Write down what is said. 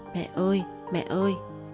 mẹ ơi mẹ ơi